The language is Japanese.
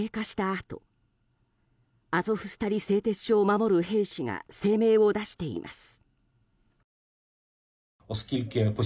あとアゾフスタリ製鉄所を守る兵士が声明を出しています。